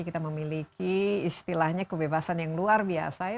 kita memiliki istilahnya kebebasan yang luar biasa ya